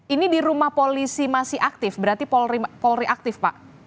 ini di rumah polisi masih aktif berarti polri aktif pak